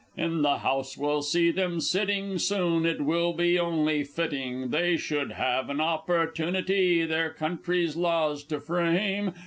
In the House we'll see them sitting soon, it will be only fitting They should have an opportunity their country's laws to frame.